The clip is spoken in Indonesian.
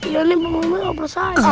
ya ini bang mohonnya obrol saja